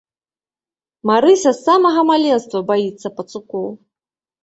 Марыся з самага маленства баіцца пацукоў.